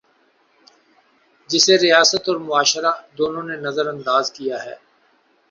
جسے ریاست اور معاشرہ، دونوں نے نظر انداز کیا ہے۔